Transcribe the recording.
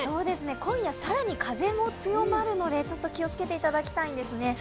今夜更に風も強まるので、ちょっと気をつけていただきたいんですね。